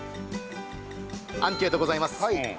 アンケートございます。